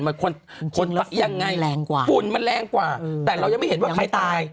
คนคนละยังไงแรงกว่าฝุ่นมันแรงกว่าแต่เรายังไม่เห็นว่าใครตาย